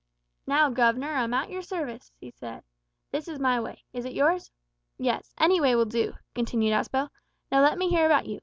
"Now, guv'nor, I'm at your sarvice," he said. "This is my way. Is it yours?" "Yes any way will do," continued Aspel. "Now let me hear about you.